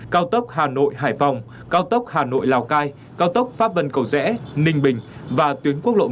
cao tốc hà nội hải phòng cao tốc hà nội lào cai cao tốc pháp vân cầu rẽ ninh bình và tuyến quốc lộ một